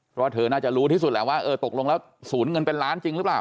เพราะเธอน่าจะรู้ที่สุดแหละว่าเออตกลงแล้วศูนย์เงินเป็นล้านจริงหรือเปล่า